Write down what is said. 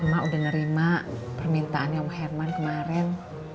ma udah nerima permintaan om herman kemaren